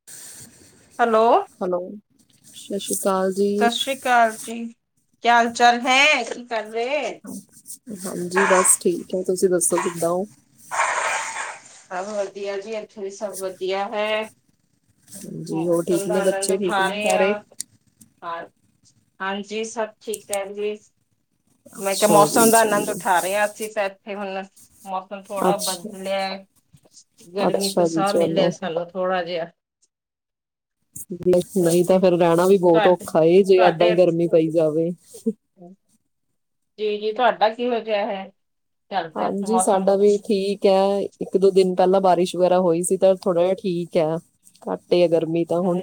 [inaudible] Hello. Hello, ਸਤਿ ਸ਼੍ਰੀ ਅਕਾਲ ਜੀ। ਕਾਲ ਜੀ, ਕਿਆ ਹਾਲ ਚਾਲ ਹੈ, ਕੀ ਕਰ ਰਹੇ। ਹਾਂਜੀ, ਬਸ ਠੀਕ ਹੈ। ਤੁਸੀਂ ਦੱਸੋ, ਕਿੱਦਾਂ ਹੋ? ਸਬ ਵਧੀਆ ਜੀ, ਇੱਥੇ ਵੀ ਸਬ ਵਧੀਆ ਹੈ। ਹਾਂਜੀ ਹੋਰ ਮੌਸਮ ਠੀਕ ਦਾ ਨੇ ਆਨੰਦ ਬੱਚੇ ਠੀਕ ਉਠਾ ਨੇ ਰਹੇ ਸਾਰੇ ਆਂ ਹਾਰ ਹਾਂਜੀ, ਸਭ ਠੀਕ ਹੈ ਭੈਣ ਜੀ। ਮੈਂ ਕਿਹਾ, ਅੱਛਾ ਜੀ ਮੌਸਮ ਦਾ ਆਨੰਦ ਚਲੋ ਉਠਾ ਰਹੇ ਹਾਂ, ਅਸੀਂ ਤਾਂ ਇੱਥੇ ਹੁਣ ਮੌ ਹੁਣ ਥੋੜਾ ਅੱਛਾ ਬਦਲਿਆ ਐ, ਗਰਮੀ ਤੋਂ ਅੱਛਾ ਜੀ ਸਾਹ ਚਲੋ ਮਿਲਿਆ ਸਾਨੂੰ ਥੋੜਾ ਜਿਹਾ। ਨਹੀਂ, ਨਹੀਂ ਤਾਂ ਹਾਂਜੀ ਫਿਰ ਰਹਿਣਾ ਵੀ ਬਹੁਤ ਤੁਹਾਡੇ ਔਖਾ ਜੇ ਏਦਾਂ ਹੀ ਤੁਹਾਡੇ ਗਰਮੀ ਪਈ ਜਾਵੇ। [unintelligible] ਜੀ ਜੀ, ਤੁਹਾਡਾ ਕਿਹੋ ਜਿਹਾ ਹੈ? ਚੱਲ ਰਿਹਾ ਹਾਂਜੀ, ਮੌਸਮ? ਸਾਡਾ ਵੀ ਠੀਕ ਐ। ਇੱਕ ਦੋ ਦਿਨ ਪਹਿਲਾਂ ਬਾਰਿਸ਼ ਵਗੈਰਾ ਹੋਈ ਸੀ, ਤਾਂ ਥੋੜਾ ਜਿਹਾ ਠੀਕ ਹੈ, ਘੱਟ ਇ ਹੈ ਗਰਮੀ। ਤਾਂ ਹੁਣ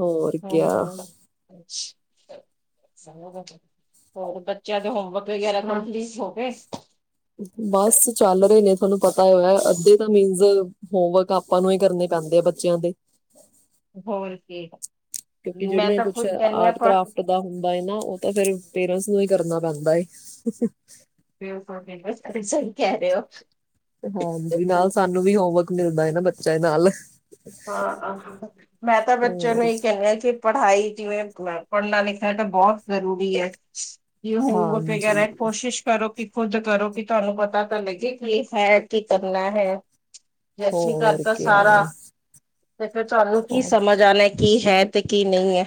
ਹੋਰ ਕਿਆ? ਹੂੰ [unintelligible] ਹੋਰ ਦੱਸੋ, ਹੋਰ ਬੱਚਿਆਂ ਦੇ ਹੋਮਵਰਕ ਵਗੈਰਾ ਕੰਪਲੀਟ ਹੋ ਗਏ। ਬਸ ਚੱਲ ਰਹੇ ਨੇ, ਤੁਹਾਨੂੰ ਪਤਾ ਹੈ, ਅੱਸੀ ਤਾਂ ਮੀਨਜ਼ ਹੋਮਵਰਕ ਆਪਾਂ ਨੂੰ ਹੀ ਕਰਨੇ ਪੈਂਦੇ ਐ, ਬੱਚਿਆਂ ਦੇ। ਹੋਰ ਕੀ, ਮੈਂ ਤਾਂ ਖੁੱਦ ਕਹਿੰਨੀ ਹਾਂ, ਪਢ। ਪਤਾ ਹੁੰਦਾ ਹੈ ਨਾ, ਉਹ ਤਾਂ ਫਿਰ ਪੇਰੈਂਟਸ ਨੂੰ ਹੀ ਕਰਨਾ ਪੈਂਦਾ ਏ, ਹੁ ਹੁ। [unintelligible] ਸਹੀ ਕਿਆ ਰ ਹੋ ਹਾਂਜੀ ਨਾਲ ਸਾਨੂੰ ਵੀ ਹੋਮਵਰਕ ਮਿਲਦਾ ਹਨ ਨਾ ਬੱਚਿਆਂ ਨਾਲ ਹਾਂ ਮੈਂ ਤਾਂ ਬੱਚਿਆਂ ਨੂੰ ਹੋਰ ਇਹ ਕਹਿਆ ਹੈ ਕਿ ਪੜ੍ਹਾਈ ਜਿਵੇਂ ਪੜ੍ਹਨਾ ਲਿਖਣਾ ਤਾਂ ਬਹੁਤ ਜ਼ਰੂਰੀ ਹੈ ਜ ਹੋਮਵਰਕ ਵਗੈਰਾ ਹਾਂਜੀ ਹੈ ਕੋਸ਼ਿਸ਼ ਕਰੋ ਕਿ ਖੁੱਦ ਕਰੋ ਕਿ ਤੁਹਾਨੂੰ ਪਤਾ ਤਾਂ ਲੱਗੇ ਕੀ ਹੈ ਕੀ ਕਰਨਾ ਹੈ ਜੈਸੀਂ ਘਰ ਹੋਰ ਤਾਂ ਸਾਰਾ ਕਿਆ ਤੇ ਫਿਰ ਤੁਹਾਨੂੰ ਕੀ ਸਮਝ ਆਉਣਾ ਕੀ ਹੈ ਤੇ ਕੀ ਨਹੀਂ ਹੈ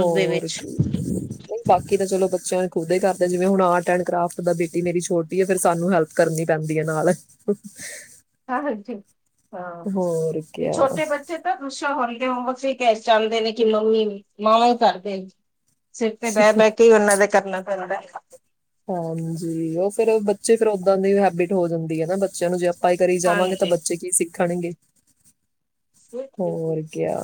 ਉਸਦੇ ਵਿੱਚ ਕੀ ਬਾਕੀ ਤਾਂ ਚਲੋ ਬੱਚਿਆਂ ਨੂੰ ਖੁਦ ਹੀ ਕਰਦੇ ਜਿਵੇਂ ਹੁਣ ਆਰਟ ਐਡ ਕਰਾਫਟ ਦਾ ਬੇਟੀ ਮੇਰੀ ਛੋਟੀ ਫਿਰ ਸਾਨੂੰ ਹੈਲਪ ਕਰਨੀ ਪੈਂਦੀ ਹੈ ਨਾਲ ਹਾਂ ਹਾਂਜੀ ਹਾਂ ਹੋਰ ਇਹ ਕਿਆ ਛੋਟੇ ਬੱਚੇ ਜੀਦਾ ਦੁੱਸਾ ਹੋਲੀਡੇ ਹੋਮ ਵਰਕ ਕੱਚ ਹੀ ਟੇਸਟ ਚਲਦੇ ਨੇ ਕਿ ਮੰਮੀ ਮਾਵਾਂ ਹੀ ਕਰਦੇ ਸਿਰ ਤੇ ਬੈ ਬ ਕੇ ਹੀ ਉਹਨਾਂ ਦੇ ਕਰਨਾ ਪੈਂਦਾ ਹੈ ਹਾਂਜੀ ਉਹ ਫੇਿਰ ਬੱਚੇ ਫੇਿਰ ਓਦਾਂ ਦੀ ਹੈਬਿਟ ਹੋ ਜਾਂਦੀ ਹੈ ਨਾ ਬੱਚਿਆਂ ਨੂੰ ਜੇ ਪਾਈ ਕਰੀ ਜਾਵਾਂਗੇ ਤਾਂ ਹਾਂਜੀ ਬੱਚੇ ਕੀ ਸਿੱਖਣਗੇ ਹੋਰ ਕਿਆ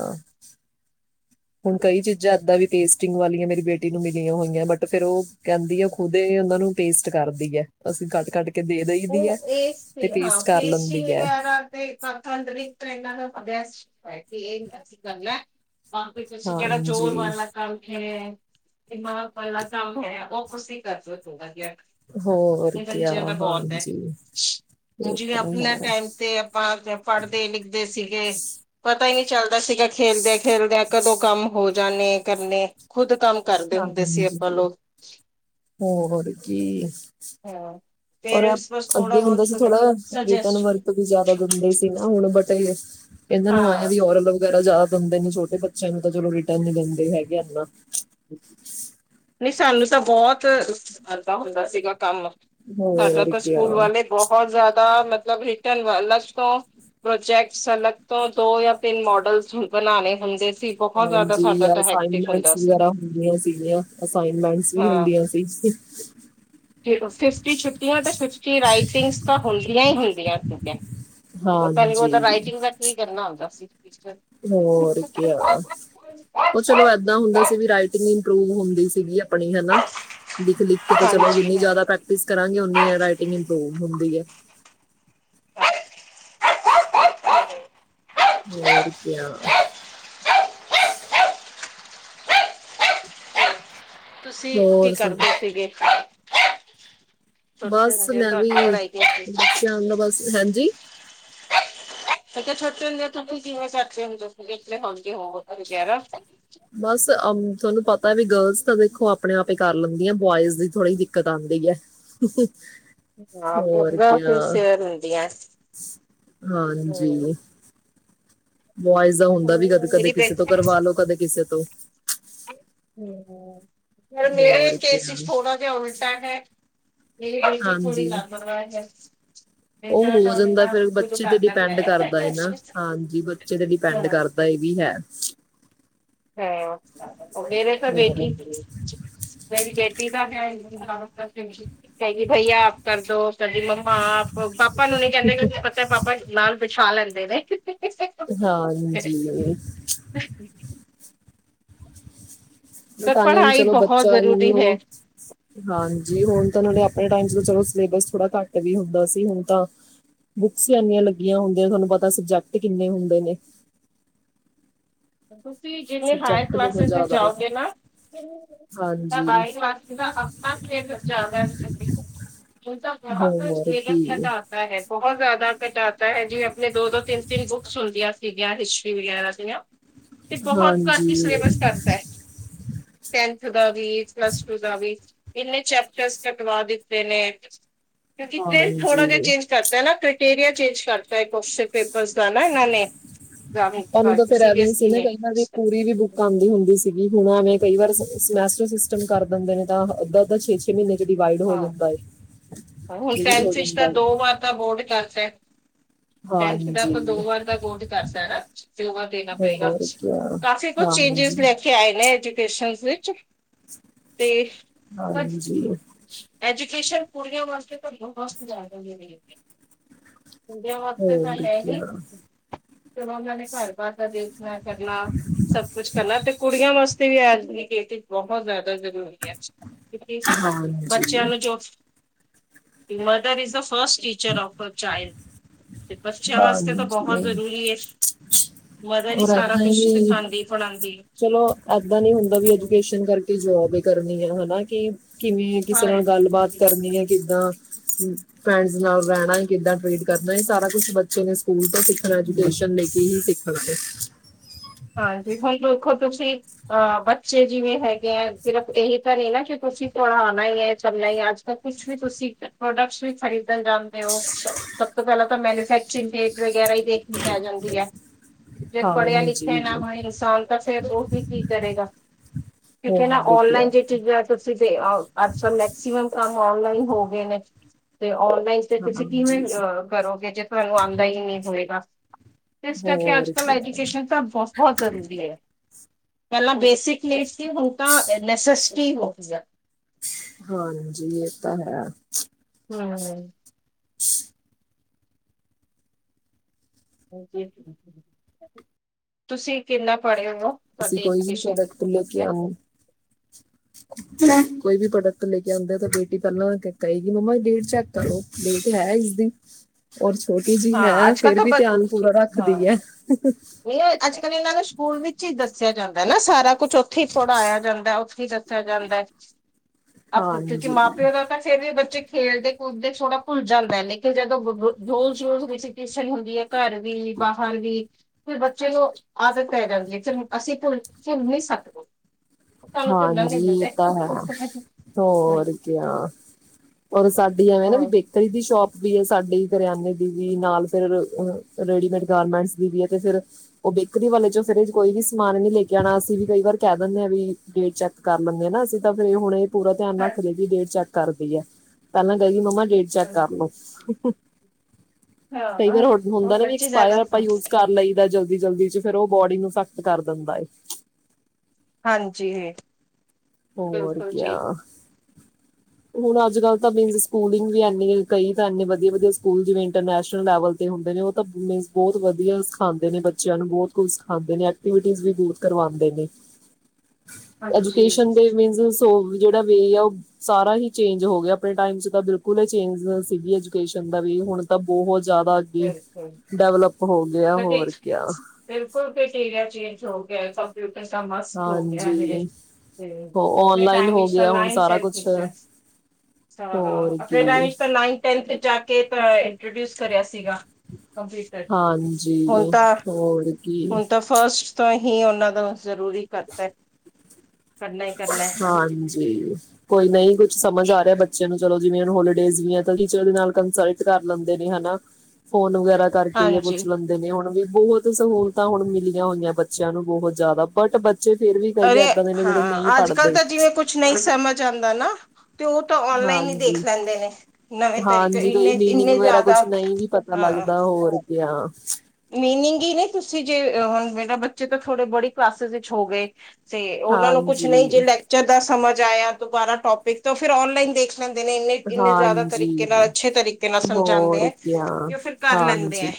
ਹੁਣ ਕਈ ਚੀਜ਼ਾਂ ਏਦਾਂ ਵੀ ਟੇਸਟਿੰਗ ਵਾਲੀਆਂ ਮੇਰੀ ਬੇਟੀ ਨੂੰ ਮਿਲੀਆਂ ਹੋਈਆਂ ਬਟ ਫੇਿਰ ਉਹ ਕਹਿੰਦੀ ਆ ਖੁਦ ਏ ਉਹ ਨੂੰ ਪੇਸਟ ਕਰਦੀ ਹੈ ਅਸੀਂ ਕੱਟ ਕੱਟ ਕੇ ਦੇ ਦੇਈਦੀ ਹੈ ਉਹ ਇਸ ਤੇ ਹਾਂ ਪੇਸਟ ਕਰ ਪੇਸਟਿੰਗ ਲੈਂਦੀ ਹੈ ਵਗੈਰਾ ਤੇ ਤ ਅੰਤਰਰੀਤ ਇਹਨਾਂ ਦਾ ਅਭਿਆਸ ਕਿ ਇਹਸੀ ਗਲਾ [unintelligible] ਕਮ ਤੇ ਤੁਸੀਂ ਜਿਹੜਾ ਜ਼ੋਰ ਹਾਂਜੀ ਵਾਲਾ ਕਮ ਹੈ ਦਿਮਾਗ ਵਾਲਾ ਕਮ ਹੈ ਓਹ ਤੁਸੀ ਕਰ ਸਕਦੇ ਹੋ ਵਧੀਆ ਹੋਰ ਇਹ ਕਿਆ ਬੱਚਿਆਂ ਦਾ ਬਹੁਤ ਹੈ। ਹਾਂਜੀ ਹੁਣ ਇਹ ਜਿਵੇਂ ਤਾਂ ਆਪਣੇ ਹੈ ਟਾਈਮ ਤੇ ਆਪਾਂ ਪੜ੍ਹਦੇ ਲਿਖਦੇ ਸੀਗੇ ਪਤਾ ਹੀ ਨਹੀਂ ਚੱਲਦਾ ਸੀਗਾ ਖੇਲਦਿਆਂ ਖੇਲਦਿਆਂ ਕਦੋਂ ਕੰਮ ਹੋ ਜਾਂਣੇ ਕਰਨੇ ਖੁਦ ਕੰਮ ਕਰਦੇ ਹੁੰਦੇ ਸੀ ਹਾਂਜੀ ਆਪਾਂ ਲੋਕ ਹੋਰ ਕੀ ਹਾਂ। ਹੋਰ ਅਬ ਪੇਰੈਂਟਸ ਬਸ ਥੋੜਾ ਅੱਗੇ ਬਹੁਤ ਹੁੰਦਾ ਸੀ ਥੋੜਾ ਰਿਟਰਨ ਸੁਜੈਸਟ ਵਰਕ ਵੀ ਜ਼ਿਆਦਾ ਦਿੰਦੇ ਸੀ ਨਾ ਹੁਣ ਬਟ ਇਹ ਇਹਨਾਂ ਨੂੰ ਹਾਂ ਆਏਆ ਵੀ ਔਰਤ ਵਗੈਰਾ ਜ਼ਿਆਦਾ ਦਿੰਦੇ ਨੇ ਛੋਟੇ ਬੱਚਿਆਂ ਨੂੰ ਤਾਂ ਚਲੋ ਰਿਟਰਨ ਨ ਦਿੰਦੇ ਹੈਗੇ ਇਨਾ ਨਹੀਂ ਸਾਨੂੰ ਤਾਂ ਬਹੁਤ ਜ਼ਦਾ ਹੁੰਦਾ ਸੀਗਾ ਕੰਮ ਸਾਡਾ ਹੋਰ ਕੋ ਸਕੂਲ ਕਿਆ ਵਾਲੇ ਬਹੁਤ ਜ਼ਿਆਦਾ ਮਤਲਬ ਇੰਟਲ ਵਾਲਾ ਸਟੋ ਪ੍ਰੋਜੈਕਟਸ ਅਲਗ ਤੋਂ ਦੋ ਜਾਂ ਪਿੰਨ ਮੋਡਲਸ ਬਣਾਣੇ ਹੁੰਦੇ ਬਹੁਤ ਜ਼ਿਆਦਾ ਹਾਂਜੀ ਸਾਦਾ ਤਾਂ ਹੈਕਟਿਕ ਹੋਈਦਾ ਅਸਾਈਨਮੈਂਟਸ ਸੀ ਵਗੈਰਾ ਹੁੰਦੀਆਂ ਸੀਗੀਆਂ ਅਸਾਈਨਮੈਂਟਸ ਵੀ ਹਾਂ ਹੁੰਦੀਆਂ ਸੀ ਫਿਫਟੀ ਛੁੱਟੀਆਂ ਤੇ ਫਿਫਟੀ ਰਾਈਟਿੰਗਸ ਤਾਂ ਹੁੰਦੀਆਂ ਈ ਹੁੰਦੀਆਂ ਸੀਗੀਆਂ ਪੈਲੇ ਓ ਹਾਂਜੀ ਤਾਂ ਰਾਈਟਿੰਗ ਦਾ ਕੀ ਕਰਨਾ ਹੁੰਦਾ ਸੀ ਓ ਚਲੋ ਏਦਾਂ ਹੁੰਦਾ ਸੀ ਵੀ ਰਾਈਟਿੰਗ ਇੰਪਰੂਵ ਹੁੰਦੀ ਸੀਗੀ ਆਪਣੀ ਹ ਲਿਖ ਲਿਖ ਕੇ ਤਾ ਚਲੋ ਹਾਂਜੀ ਜਿੰਨੀ ਜ਼ਿਆਦਾ ਹਾਂਜੀ। ਪ੍ਰੈਕਟਿਸ ਕਰਾਂਗੇ ਉਨੀ ਐ ਰਾਈਟਿੰਗ ਇੰਪਰੂਵ ਹੁੰਦੀ ਐ। [inaudible] [unintelligible] ਕਿਆ ਤੁਸੀ ਕੀ ਹੋਰ ਸੁਣ ਕਰਦੇ ਸੀਗੇ? ਛੋਟੇ ਬਸ ਹੁੰਦੇ ਮੈਂ ਵੀ ਤੁਹਾਡੀ ਪੜ੍ਹਾਈ ਕੈਸੀ ਸੀ? ਬੱਚਿਆਂ ਦਾ ਬਸ ਹੈਂਜੀ। ਮੈ ਕੇਆ ਛੋਟੇ ਹੁੰਦੇ ਤੁਸੀ ਕਿਵੇਂ [unintelligible] ਟੇ ਹੁੰੇ ਹਾਂਗੇ ਹੋ ਵਿਚਾਰਾ ਬਸ ਅ ਤੁਆਨੁ ਪਤਾ ਵੀ ਗਰਲਸ ਤਾਂ ਦੇਖੋ ਆਪਣੇ ਆਪ ਈ ਕਰ ਲੈਂਦੀਆ ਬੋਆਇਜ ਦੀ ਥੋੜ੍ਹੀ ਦਿਕ ਦਿੱਕਤ ਆਂਦੀ ਐ। ਹਾਂ ਹੋਰ ਬਹੁਤ ਕਿਆ ਸਿਨਸੀਅਰ ਹੁੰਦੀਆਂ। ਹੂੰ ਹਾਂਜੀ। ਬੂਆਇਜ਼ ਦਾ ਹੁੰਦਾ ਵੀ ਕਦ ਕਦੇ ਮੇਰੀ ਕਿਸੇ ਬੇਟੀ ਤੋਂ ਪਰ ਕਰਵਾ ਲੋ ਕਦੇ ਕਿਸੇ ਤੋਂ ਹੁੰ ਹੁੰ [unintelligible] ਪਰ ਏ ਹੋਰ ਕਿਆ ਕੇਸਿਸ ਥੋੜਾ ਜਿਆ ਉਲਟਾ ਹੈ ਮੇਰੀ ਗਲਤੀ ਥੋੜੀ ਲਾਪਰਵਾ ਹੈ ਓ ਬੇਟਾ ਹੋ ਤਾਂ ਜਾਂਦਾ ਮੇਰਾ ਫੇਰ ਖੁਦ ਬੱਚੇ ਤੇ ਕਰ ਲੈਂਦਾ ਡਿਪੈਂਡ ਹੈ। ਕਰਦਾ ਏ ਨਾ ਹਾਂਜੀ ਬੱਚੇ ਤੇ ਡਿਪੈਂਡ ਹਾਂ। ਕਰਦ ਤਾ ਏ ਵੀ ਹੈ। ਹੈ ਮੇਰੇ ਤਾਂ ਬੇਟੀ ਮੇਰੀ ਬੇਟੀ ਤਾਂ ਹੈ [unintelligible] ਕਏਗੀ ਭਇਆ ਆਪ ਕਰਦੋ ਕਏਗੀ ਮੰਮਾ ਆਪ ਪਾਪ ਪਾਪਾ ਨੂੰ ਨੀ ਕੈਂਦੇ ਕਿਓਂਕਿ ਪਤਾ ਏ ਪਾਪਾ ਨਾਲ ਵਿਛਾ ਲੈਂਦੇ ਨੇ। ਹਾਜੀ [unintelligible] ਹ ਮੈਂ ਪਰ ਤਾਂ ਆ ਵੀ ਪੜ੍ਹਾਈ ਚਲੋ ਬਹੁਤ ਬੱਚਾ ਜ਼ਰੂਰੀ ਹੈ। ਹਾਂਜੀ ਹੁਣ ਤਾਂ ਨਾਲੇ ਆਪਣੇ ਟਾਈਮ ਚ ਚਲੋ ਸਿਲੇਬਸ ਥੋੜ੍ਹਾ ਘੱਟ ਵੀ ਹੁੰਦਾ ਸੀ ਹੁਣ ਤਾਂ ਬੁੱਕਸ ਏਨੀਆਂ ਲੱਗੀਆਂ ਹੁੰਦੀਆਂ ਥਾਨੂੰ ਪਤਾ ਸਬਜੈਕਟ ਕਿੰਨੇ ਹੁੰਦੇ ਨੇ। ਤੁਸੀਂ ਜਿਂਵੇ ਹਾਇਰ ਸਬਜੈਕਟ ਬਹੁਤ ਕਲਾਸਿਸ ਦੇ ਜ਼ਿਆਦਾ ਏ ਜਾਓਗੇ ਨਾ ਤਾਂ ਹਾਂਜੀ ਹਾਈ ਕਲਾਸ ਦਾ ਹਫਤਾ ਸਲੇਬਸ ਚਲਦਾ ਏਦੇ ਚ ਵੀ। ਹੁਣ ਤਾਂ ਬਹੁਤ ਹੋਰ ਸਟ੍ਰੇਲੀਆ ਚ [unintelligible] ਕੀ ਵਵਾ ਆਪ ਸੇਲ ਲਦਾ ਹੈ ਬਹੁਤ ਜ਼ਿਆਦਾ ਘਟਾ ਤਾ ਹੈ ਜੀ ਆਪਣੇ ਦੋ ਦੋ ਤਿੰਨ ਤਿੰਨ ਬੁੱਕਸ ਹੁੰਦੀਆਂ ਸੀਗੀਆਂ ਹਿਸਟਰੀ ਵਗੈਰਾ ਦੀਆਂ। ਤੇ ਬਹੁਤ ਘੱਟ ਈ ਹਾਂਜੀ ਸਿਲੇਬਸ ਕਰਤਾ ਏ। ਟੈਂਥ ਦਾ ਵੀ ਪਲੱਸ ਟੂ ਦਾ ਵੀ। ਇੰਨੇ ਚੈਪਟਰਸ ਕਟਵਾ ਦਿੱਤੇ ਨੇ ਕਿਉਂਕਿ ਟੈਂਥ ਥੋੜਾ ਹਾਂਜੀ ਜਿਹਾ ਚੇਂਜ ਕਰ ਨਾ ਕ੍ਰੈਟੇਰੀਆ ਚੇਂਜ ਕਰਤਾ ਐ ਕੋਸਚਨ ਪੇਪਰਸ ਦਾ ਨਾ ਇਨਾਂ ਨੇ। ਜਾ ਵੇ ਘਰ ਸੀਰੀਅਸ ਕਿੰਨੇ ਪੈਹਾਂ ਦੀ ਪੂਰੀ ਵੀ ਬੁੱਕ ਆਂਦੀ ਹੁੰਦੀ ਸੀਗੀ ਹੁਣ ਐਵੇਂ ਕਈ ਵਾਰ ਸਮੈਸਟਰ ਸਿਸਟਮ ਕਰ ਦਿੰਦੇ ਨੇ ਤਾਂ ਅੱਧਾ ਅੱਧਾ, ਛੇ ਛੇ ਮੀਨੇ ਚ ਡਿਵਾਈਡ ਹੋ ਹਾਂ ਜਾਂਦਾ ਐ ਹੁਣ ਏ ਵੀ ਹੋ ਵਿੱਚ ਜਾਂਦਾ ਤਾਂ ਦੋ ਐ। ਵਾਰ ਤਾਂ ਬੋਰਡ ਚੱਲਸੇ ਟੈਂਥ ਦਾ ਹਾਂਜੀ ਆਪਾਂ ਦੋ ਵਾਰ ਦਾ ਬੋਰਡ ਕਰਤਾ ਏ ਹਣਾ ਦੋ ਵਾਰ ਦੇਣਾ ਪਏਗਾ। ਹੋਰ ਕੀ ਕਾਫੀ ਕੁਛ ਚੇਂਜਿਸ ਹਾਂਜੀ ਲੈ ਕੇ ਆਏ ਨੇ ਟੇਸ਼ਨਸ ਵਿੱਚ ਤੇ [unintelligible] ਹਾਂਜੀ ਐਜੂਕੇਸ਼ਨ ਕੁੜੀਆਂ ਵਾਸਤੇ ਤਾਂ ਬਹੁਤ ਜ਼ਿਆਦਾ ਮਿਲੀ ਏ। ਮੂੰਡਿਆ ਵਾਸਤੇ ਤਾਂ ਹੋਰ ਹੈ ਕੀ ਹੀ। ਤੇ ਉਹਨਾਂ ਨੇ ਘਰ ਬਾਰ ਦਾ ਦੇਖਣਾ ਕਰਨਾ। ਸਭ ਕੁਛ ਕਰਨਾ ਤੇ ਕੁੜੀਆਂ ਵਾਸਤੇ ਵੀ ਅੱਜ ਦੀ ਖੇਤੀ ਬਹੁਤ ਜ਼ਿਆਦਾ ਜ਼ਰੂਰੀ ਐ। [unintelligible] ਕਿਸ? ਹਾਂ। ਬੱਚਿਆਂ ਨੂੰ ਜੋ mother is the first teacher of a child. ਤੇ ਪਚਿਆ ਵਾਸਤੇ ਤਾਂ ਬਹੁਤ ਹਾਂਜੀ ਜ਼ਰੂਰੀ ਐ। ਔਰ ਏਦਾਂ ਈ ਵੀ ਸਿਖਾਉਂਦੀ ਪੜ੍ਹਾਉਂਦੀ ਚਲੋ ਏਦਾਂ ਨੀ ਹੁੰਦਾ ਵੀ ਹੈ। ਐਜੂਕੇਸ਼ਨ ਕਰਕੇ ਜੋਬ ਕਰਨੀ ਆ ਹਨਾਂ ਕਿ ਕਿਵੇਂ ਕਿਸੇ ਨਾਲ ਹਾਂਜੀ ਗੱਲਬਾਤ ਜੀ। ਕਰਨੀ ਐ ਕਿੱਦਾਂ? ਫ੍ਰੈਂਡਸ ਨਾਲ ਰੈਣਾ, ਕਿੱਦਾਂ ਟਰੀਟ ਕਰਨਾ ਇਹ ਸਾਰਾ ਕੁਛ ਬੱਚੇ ਨੇ ਸਕੂਲ ਤੋਂ ਸਿੱਖਣਾ, ਐਜੂਕੇਸ਼ਨ ਲੇ ਕੇ ਹੀ ਸਿੱਖਣਾ। ਹਾਂਜੀ, ਹੁਣ ਦੇਖੋ ਤੁਸੀਂ। ਅਹ ਬੱਚੇ ਜਿਵੇਂ ਹੈਗੇ ਆ ਸਿਰਫ ਇਹੀ ਤਾਂ ਨਾ ਕਿ ਤੁਸੀਂ ਪੜ੍ਹਾਣਾ ਈ ਐ ਚੱਲ ਨਈਂ ਅੱਜ ਤਾਂ ਕੁਛ ਵੀ ਤੁਸੀਂ ਪ੍ਰੋਡਕਟਸ ਵੀ ਖਰੀਦਣ ਜਾਂਦੇ ਓ ਸਭ ਤੋਂ ਪਹਿਲਾਂ ਤਾਂ ਮੈਨੂਫੈਕਚਰਿੰਗ ਡੇਟ ਵਗੈਰਾ ਈ ਦੇਖਣੀ ਪੈ ਜਾਂਦੀ ਐ। ਹਾਂਜੀ। ਹੋਏ ਇਨਸਾਨ ਤਾਂ ਫਿਰ ਉਹੀ ਕੀ ਕਰੇਗਾ? ਠੀਕ ਐ ਨਾ ਹੋਰ ਕਿਆ ਔਨਲਾਈਨ ਜੇ ਚੀਜ਼ [unintelligible] ਤੁਸੀਂ ਤੇ ਆ ਅੱਜ ਮੈਕਸੀਮਮ ਕੰਮ ਔਨਲਾਈਨ ਹੋ ਗਏ ਨੇ ਤੇ ਆੱਲ ਤੇ ਇਸ ਤੁਸੀਂ ਕਿਵੇਂ ਹਾਂਜੀ ਅਹ ਕਰੋਗੇ ਜੇ ਤੁਹਾਨੂੰ ਆਂਦਾ ਈ ਨ੍ਹੀਂ ਹੋਏਗਾ। ਇਸ ਕਰਕੇ ਹੋਰ ਅੱਜ-ਕੱਲ ਕਿਆ ਐਜੂਕੇਸ਼ਨ ਤਾਂ ਬਹੁਤ ਜ਼ਰੂਰੀ ਐ, ਪਹਿਲਾਂ ਬੇਸਿਕ ਨੀਂ ਸੀ ਹੁਣ ਤਾਂ ਨੈਸੇਸ ਕੀ ਹੋਗੀ ਆ। ਹਾਂਜੀ ਇਹ ਤਾਂ ਹੈ। ਹਂ। ਤੁਸੀਂ ਕਿੰਨਾ ਪੜ੍ਹੇ ਓ? ਅਸੀਂ ਤੁਆਡੀ ਕੋਈ ਵੀ ਐਜੂਕੇਸ਼ਨ ਪ੍ਰੋਡਕਟ ਕਿੱਥੋਂ ਲੈ ਤੱਕ ਕੇ ਐ? ਆਉਂ ਕੋਈ ਵੀ ਪ੍ਰੋਡਕਟ ਲੈਕੇ ਆਂਦੇ ਆ ਤਾਂ ਬੇਟੀ ਪਹਿਲਾਂ ਕਏਗੀ ਮੰਮਾ ਡੇਟ ਚੈੱਕ ਕਰੋ ਡੇਟ ਹੈ ਇਸ ਦੀ [unintelligible] ਔਰ ਛੋਟੀ ਜੀ ਹਾਂ ਹੈ ਅੱਜ ਕੱਲ੍ਹ ਫੇਰ ਤਾਂ ਵੀ ਬ ਧਿਆਨ ਪੂਰਾ ਰੱਖਦੀ ਐ। ਨਈਂ ਅੱਜ-ਕੱਲ੍ਹ ਇਹਨਾਂ ਨੂੰ ਸਕੂਲ ਵਿੱਚ ਈ ਦੱਸਿਆ ਜਾਂਦਾ ਨਾ ਸਾਰਾ ਕੁਛ ਉੱਥੇ ਈ ਪੜ੍ਹਾਇਆ ਜਾਂਦਾ ਉੱਥੇ ਈ ਦੱਸਿਆ ਜਾਂਦਾ ਐ। ਆਪ ਕਿਉਂਕਿ ਹਾਂਜੀ ਮਾਂ ਪਿਓ ਦਾ ਤਾਂ ਫ਼ਿਰ ਵੀ ਬੱਚੇ ਖੇਡਦੇ-ਕੂਦਦੇ ਥੋੜਾ ਭੁੱਲ ਜਾਂਦਾ ਐ ਲੇਕਿਨ ਜਦੋਂ ਰੋਸ ਰੋਜ਼ ਹੁੰਦੀ ਸੀਟੀਂਗ ਹੁੰਦੀ ਐ। ਘਰ ਵੀ ਬਾਹਰ ਵੀ ਫਿਰ ਬੱਚੇ ਨੂੰ ਆਦਤ ਪੈ ਜਾਂਦੀ ਐ ਫੇਰ ਅਸੀਂ ਭੁੱਲ ਭੁੱਲ ਨੀ ਸਕਦੇ। ਤੁਹਾਨੂੰ ਘੁੰਮਣ ਲਈ ਹਾਂਜੀ ਮਿਲ ਇਹ ਜਾਏ ਤਾਂ ਹੈ, ਹੋਰ ਕਿਆ ਔਰ ਸਾਡੀ ਐਵੇਂ ਨਾ ਹੋਰ ਬੇ ਕਰੀ ਦੀ ਸ਼ੋਪ ਵੀ ਐ ਸਾਡੀੇ ਕਰਿਆਨੇ ਦੀ ਵੀ ਨਾਲ ਫਿਰ ਰੇਡੀਮੇਡ ਗਾਰਮੈਂਟਸ ਦੀ ਵੀ ਐ ਤੇ ਫਿਰ ਉਹ ਬੇਕਰੀ ਵਾਲੇ ਚੋਂ ਫਿਰ ਕੋਈ ਵੀ ਸਮਾਨ ਨੀ ਲੈ ਕੇ ਆਣਾ, ਅਸੀਂ ਵੀ ਕਈ ਵਾਰ ਕੈਅ ਦਿੰਣੇ ਐ ਵੀ ਡੇਟ ਚੈੱਕ ਕਰ ਲੈਂਦੇ ਆ ਨਾ ਅਸੀਂ ਤਾਂ ਫੇਰ ਹੁਣ ਇਹ ਪੂਰਾ ਧਿਆਨ ਰੱਖਦੇ ਹਾਂਜੀ ਵੀ ਡੇਟ ਚੈੱਕ ਕਰਦੀ ਆ ਪਹਿਲਾਂ ਕਏਗੀ ਮੰਮਾ ਡੇਟ ਚੈੱਕ ਕਰ ਲੋ। ਕਈ ਹਾਂ ਵਾਰ ਉਹ ਹੁੰਦਾ ਨਾ ਬੱਚੇ ਐਕਸਪਾਇਰ ਜ਼ਿਆਦਾ ਆਪਾਂ ਯੂਜ਼ ਕਰ ਲਈ ਜਲਦੀ ਜਲਦੀ ਚ ਫੇਰ ਉਹ ਬੋਡੀ ਨੂੰ ਇਫੈਕਟ ਕਰ ਦਿੰਦਾ ਐ। ਹਾਂਜੀ। ਹੋਰ ਬਿਲਕੁਲ ਜੀ ਕਿਆ? [unintelligible] ਹੁਣ ਅੱਜ-ਕੱਲ ਤਾਂ ਮੀਨਸ ਸਕੂਲਿੰਗ ਵੀ ਇਨੀਂ ਕਈ ਤਾਂ ਇੰਨੇ ਵਧੀਆ-ਵਧੀਆ ਸਕੂਲ ਜਿਵੇਂ ਇੰਟਰਨੈਸ਼ਨਲ ਲੈਵਲ ਤੇ ਹੁੰਦੇ ਨੇ ਬਹੁਤ ਵਧੀਆ ਸਿਖਾਂਦੇ ਨੇ ਬੱਚਿਆਂ ਨੂੰ, ਬਹੁਤ ਕੁਝ ਸਿਖਾਂਦੇ ਨੇ, ਐਕਟੀਵਿ ਵੀ ਬਹੁਤ ਕਰਵਾਂਦੇ ਨੇ। ਹਾਜੀ, ਸ ਤਿੰਨ ਸ-ਸੋ ਜਿਹੜਾ ਵੇ ਆ ਉਹ ਸਾਰਾ ਹੀ ਚੇਂਜ ਹੋ ਗਿਆ। ਆਪਣੇ ਟਾਈਮ 'ਚ ਤਾਂ ਬਿਲਕੁਲ ਏ ਚੇਂਜ ਨਹੀਂ ਸੀਗੀ, ਐਜੂਕੇਸ਼ਨ ਦਾ ਵੀ ਹੁਣ ਤਾਂ ਬਹੁਤ ਜ਼ਿਆਦਾ ਬਿਲਕੁਲ ਡੈਵਲਪ ਹੋ ਗਿਆ, ਕਟੇ ਹੋਰ ਕਿਆ। ਬਿਲਕੁਲ ਇੰਟੀਰੀਆ ਚੇਂਜ ਹੋ ਗਿਆ, ਕੰਪਿਊਟਰ ਤਾਂ ਮਸ ਹੋ ਗਿਆ ਤੇ ਹਾਂਜੀ ਆਪਣੇ ਔਨਲਾਈਨ ਟਾਈਮ ਹੋ ਵਿੱਚ ਤਾਂ ਗਿਆ ਹੁਣ ਲਾਈਮ ਸਾਰਾ ਕੁਛ ਸੈਫਿਸ ਅ ਹੋਰ ਆਪਣੇ ਟਾਇਮ ਕੀ 'ਚ ਤਾਂ ਨਾਈਨ-ਟੈਂਥ 'ਚ ਜਾਕੇ ਅ ਇੰਟਰੋਡਿਊਸ ਕਰਿਆ ਸੀਗਾ। ਪ ਹੁਣ ਹਾਂਜੀ ਤਾਂ, ਹੋਰ ਕੀ ਹੁਣ ਤਾਂ ਫਸਟ ਤੋਂ ਹੀ ਉਹਨਾਂ ਨੂੰ ਜ਼ਰੂਰੀ ਕਰਤਾ। ਕਰਨਾ ਹੀ ਕਰਨਾ ਹਾਂਜੀ, ਕੋਈ ਨਹੀਂ ਕੁਛ ਸਮਝ ਆ ਰਿਹਾ, ਬੱਚ ਚਨੀ ਚਲੋ, ਜਿਵੇਂ ਇਹਨੂੰ ਹੋਲੀਡੇਜ਼ ਵੀ ਐ ਤੇ ਟੀਚਰ ਨਾਲ ਕੰਸਲਟ ਕਰ ਲੈਂਦੇ ਨੇ ਹਨਾ। ਫੋਨ ਵਗੈਰਾ ਕਰਕੇ ਇਹ ਹਾਂਜੀ ਪੁੱਛ ਲੈਂਦੇ ਨੇ ਹੁਣ ਵੀ, ਬਹੁਤ ਸਹੂਲਤਾਂ ਹੁਣ ਮਿਲੀਆਂ ਹੋਈਆਂ ਬੱਚਿਆਂ ਨੂੰ, ਬਹੁਤ ਜ਼ਿਆਦਾ ਬਟ ਬੱ ਚੇ ਫੇਰ ਵੀ ਕ‌ਈ ਏਦਾਂ ਦੇ ਨੇ ਜਿਹੜੇ ਨਹੀਂ ਅੱਜ-ਕੱਲ੍ਹ ਪੜ੍ਹਦੇ ਤਾਂ ਜਿਵੇਂ ਕੁਛ ਨਹੀਂ ਸਮਝ ਆਂਦਾ ਨਾ। ਤੇ ਉਹ ਤਾਂ ਔਨਲਾਈਨ ਈ ਹਾਂਜੀ ਦੇਖ ਲੈਂਦੇ ਨੇ, ਨਵੇਂ ਤਰੀਕੇ ਇੰਨੇ-ਇੰਨੇ ਜ਼ਿਆਦਾ ਲੰਮਾ ਜਿਹਾ ਹਾਂ ਪਿਆ, ਹੋਰ ਕੀ ਆ। ਮੀਨਿੰਗ ਈ ਨੇ ਤੁਸੀਂ ਜੇ, ਹੁਣ ਮੇਰਾ ਬੱਚੇ ਤਾਂ ਥੋੜੇ ਬੜੀ ਕਲਾਸਿਸ ਵਿੱਚ ਹੋ ਗਏ। ਤੇ ਉਹਨਾਂ ਨੂੰ ਕੁਛ ਨਹੀਂ ਜੇ ਹਾਂਜੀ ਲੈਕਚਰ ਦਾ ਸਮਝ ਆਇਆ, ਦੁਬਾਰਾ ਟੋਪਿਕ ਤੇ ਫਿਰ ਔਨਲਾਈਨ ਦੇਖ ਲੈਂਦੇ ਨੇ, ਇੰਨੇ-ਇੰਨੇ ਜ਼ਿਆਦਾ ਹਾਂਜੀ ਤਰੀਕੇ ਨਾਲ, ਅੱਛੇ ਤਰੀਕੇ ਨਾਲ ਸਮਝਾਂਦੇ ਹੋਰ ਐ ਕਿਆ ਤੇ ਉਹ ਫਿਰ ਕਰ ਲੈਂਦੇ ਐ। ਹਾਂਜੀ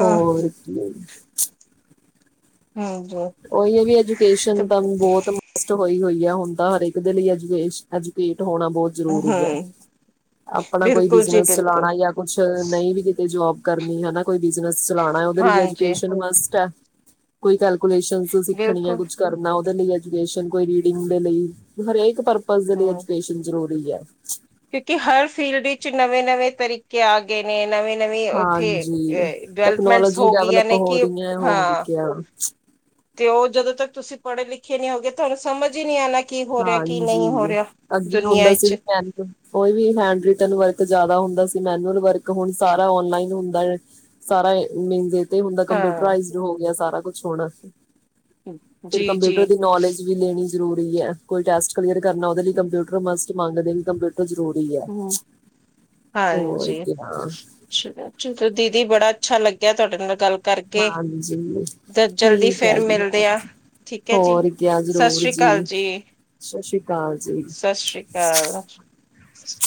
ਹੋਰ ਹੈਂ ਜੋ। ਉਹੀ ਏ ਕੀ ਐਜੂਕੇਸ਼ਨ ਤਾਂ ਬਹੁਤ ਟੂ ਹੋਈ-ਹੋਈ ਐ। ਹੁਣ ਤਾਂ ਹਰੇਕ ਦੇ ਲ‌ਈ ਐਜੂਕੇਸ-ਐਜੂਕੇਟ ਹੋਣਾ ਬਹੁਤ ਜ਼ਰੂਰੀ ਐ। ਹਮ ਆਪਣਾ ਕੋਈ ਬਿਲਕੁਲ ਜੀ ਬਿਜ਼ਨਸ ਬਿਲਕੁਲ ਚਲਾਂਣਾ ਜਾਂ ਕੁਛ ਨਹੀਂ ਵੀ ਕਿਤੇ ਜੋਬ ਕਰਨੀ ਹਨਾ, ਕੋਈ ਬਿਜ਼ਨਸ ਚਲਾਂਣਾ, ਉਹਦੇ ਲਈ ਵੀ ਹਾਂਜੀ ਐਜੂਕੇਸ਼ਨ ਮਸਟ ਆ, ਕੋਈ ਗਲ ਕੋਈ ਐਸੇਸ਼ੀ ਸਿੱਖਣੀ ਏ, ਬਿਲਕੁਲ ਕੁਛ ਕਰਨਾ ਉਹਦੇ ਲਈ ਐਜੂਕੇਸ਼ਨ, ਕੋਈ ਰੀਡਿੰਗ ਦੇ ਲਈ, ਹਰੇਕ ਪਰ ਪਜ ਦੇ ਲ‌ਈ ਹਮ ਐਜੂਕੇਸ਼ਨ ਜ਼ਰੂਰੀ ਐ। ਕਿਉਂਕਿ, ਹਰ ਫੀਲਡ ਵਿੱਚ ਨਵੇਂ-ਨਵੇਂ ਤਰੀਕੇ ਕੇ ਆ ਗਏ ਨੇ, ਨਵੇ-ਨਵੀ ਉੱਥੇ ਹਾਂਜੀ ਡਿਵੈਲਪਮੈਂਟਸ ਹੋ ਗਈਆਂ ਨੇ, ਕਿ ਹਾਂ। ਗਿਆ। ਤੇ ਉਹ ਜਦੋਂ ਤੱਕ ਤੁਸੀਂ ਪੜ੍ਹੇ-ਲਿਖੇ ਨੀ ਹੋਗੇ, ਤੁਹਾਨੂੰ ਸਮਝ ਈ ਨਹੀਂ ਆਂਨਾ ਹਾਂਜੀ, ਅੱਗੇ ਦੁਨੀਆਂ ਹੁੰਦਾ ਸੀ ਵਿੱਚ ਵੀ ਕੋਈ ਵੀ ਹੈਂਡ ਰਿਟਨ ਵਰਕ ਜਿਆਦਾ ਹੁੰਦਾ ਸੀ, ਮੈਨਲ ਵਰਕ, ਹੁਣ ਸਾਰਾ ਔਨਲਾਈਨ ਹੁੰਦਾ। ਸਾਰਾ ਏ ਮੰਜੇ ਤੇ ਹੁੰਦਾ, ਹਾਂ ਕੰਪਿਊਟਰਾਇਜ ਹੋ ਗਿਆ ਸਾਰਾ ਕੁਛ ਹੋਣ। ਫਿਰ ਜੀ ਜੀ ਕੰਪਿਊਟਰ ਦੀ ਨੌਲੇਜ ਵੀ ਲੈਣੀ ਜ਼ਰੂਰੀ ਐ। ਕੋਈ ਟੈਸਟ ਕਲੀਅਰ ਕਰਨਾ ਉਹਦੇ ਲਈ ਕੰਪਿਊਟਰ ਮਸਟ ਮੰਗਦੇ, ਵੀ ਕੰਪਿਊਟਰ ਜ਼ਰੂਰੀ ਐ, ਹਮ ਤੇ ਹੋਰ ਹਾਂਜੀ ਕਿਹਾ। ਚਲੋ, ਦੀਦੀ ਬੜਾ ਅੱਛਾ ਲੱਗਿਆ ਤੁਹਾਡੇ ਨਾਲ ਗੱਲ ਕਰਕੇ ਹਾਂਜੀ, ਜ- ਜਲਦੀ ਠੀਕ ਐ ਫੇਰ ਜੀ, ਮਿਲਦੇ ਆ ਹਾਂਜੀ। ਠੀਕ ਹੈ ਜੀ ਹੋਰ ਕਿਆ ਸਤਿ ਜ਼ਰੂਰ ਸ੍ਰੀ ਅਕਾਲ ਜੀ, ਸ਼ਾਸ਼ੀ ਕਾਲ ਜੀ। ਕੈ ਓ। [inaudible]